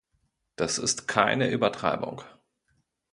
Das ist keine Übertreibung.